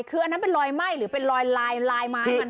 คืออันนั้นเป็นรอยไหม้หรือเป็นลอยลายไม้มัน